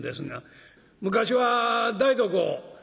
昔は台所。